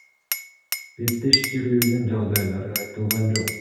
Беттештирүүнүн жагдайлары айтылган жок.